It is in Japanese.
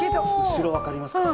後ろわかりますか？